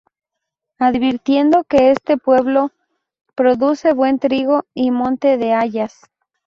Advirtiendo que este pueblo produce buen trigo, y monte de hayas.